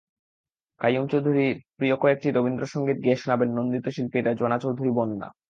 কাইয়ুম চৌধুরীর প্রিয় কয়েকটি রবীন্দ্রসংগীত গেয়ে শোনাবেন নন্দিত শিল্পী রেজওয়ানা চৌধুরী বন্যা।